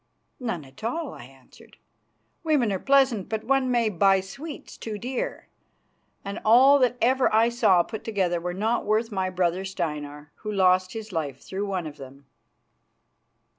"None at all," I answered. "Women are pleasant, but one may buy sweets too dear, and all that ever I saw put together were not worth my brother Steinar, who lost his life through one of them."